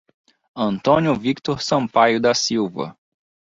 Antônio Victor Sampaio da Silva